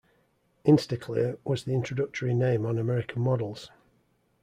"Instaclear" was the introductory name on American models.